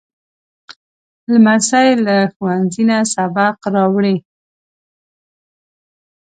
لمسی له ښوونځي نه سبق راوړي.